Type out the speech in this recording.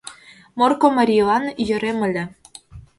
Морко марийлан йӧрем ыле.